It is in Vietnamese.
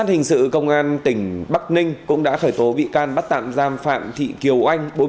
cảnh sát hình sự công an tỉnh bắc ninh cũng đã khởi tố bị can bắt tạm giam phạm thị kiều oanh